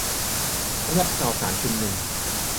สำหรับข่าวสารชุมนุม